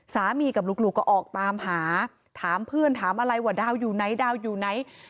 กับลูกก็ออกตามหาถามเพื่อนถามอะไรว่าดาวอยู่ไหนดาวอยู่ไหน